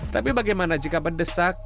tapi bagaimana jika berdesak